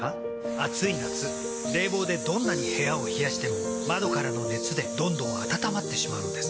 暑い夏冷房でどんなに部屋を冷やしても窓からの熱でどんどん暖まってしまうんです。